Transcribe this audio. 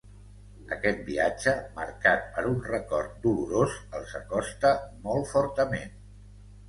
Aquest viatge, marcat per un record dolorós, els acosta molt fortament.